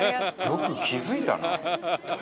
「よく気付いたな」